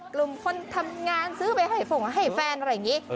กลุ่มคนทำงานซื้อไปให้ฝงให้แฟนอะไรอย่างนี้